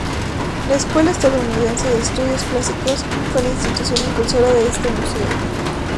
La Escuela Estadounidense de Estudios Clásicos fue la institución impulsora de este museo.